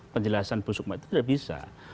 penjelasan bu sukma itu tidak bisa